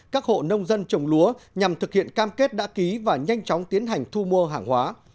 các hộ nông dân trồng lúa nhằm thực hiện cam kết đã ký và nhanh chóng tiến hành thu mua hàng hóa